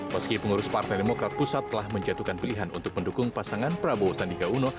meski pengurus partai demokrat pusat telah menjatuhkan pilihan untuk mendukung pasangan prabowo sandi gauno